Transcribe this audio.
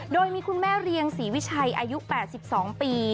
โดยมีคุณแม่เรียงศรีวิชัยอายุ๘๒ปี